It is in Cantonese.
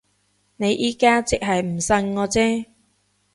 你而家即係唔信我啫